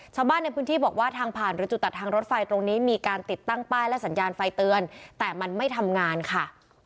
ชาวบ้านในพื้นที่บอกว่าทางผ่านหรือจุดตัดทางรถไฟตรงนี้มีการติดตั้งป้ายและสัญญาณไฟเตือนแต่มันไม่ทำงานค่ะ